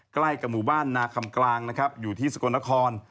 ใกล้กับหมู่บ้านนาคำกลางนะครับอยู่ที่สกลนคร